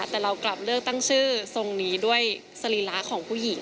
แต่เรากลับเลือกตั้งชื่อทรงนี้ด้วยสรีระของผู้หญิง